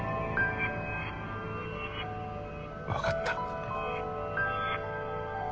分かった